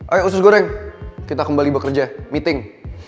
ayo usus goreng kita kembali bekerja meeting